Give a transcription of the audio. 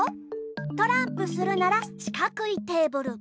トランプするならしかくいテーブル。